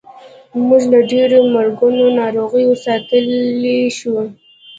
موږ له ډېرو مرګونو ناروغیو ساتلی شو.